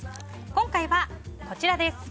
今回はこちらです。